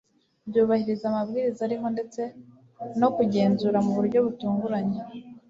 byubahiriza amabwiriza ariho ndetse no kugenzura mu buryo butunguranye